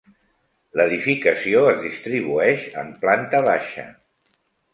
L'edificació es distribueix en planta baixa.